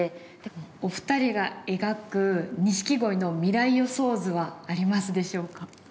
お二人が描く錦鯉の未来予想図はありますでしょうか？